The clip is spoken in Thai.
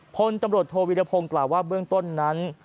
พลตำรวจโทวิรพงศ์กล่าวว่าเบื้องต้นนั้น